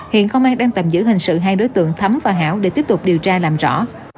hiện công an đang tạm giữ hình sự hai đối tượng thấm và hẻo để tiếp tục điều tra làm rõ